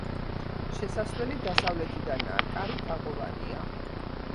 შესასვლელი დასავლეთიდანაა, კარი თაღოვანია.